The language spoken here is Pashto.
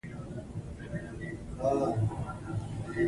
که وینې ور ونه رسیږي، نو وینې سترګو ته لارې کوي.